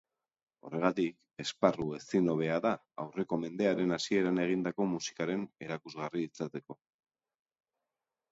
Horregatik, esparru ezin hobea da aurreko mendearen hasieran egindako musikaren erakusgarri izateko.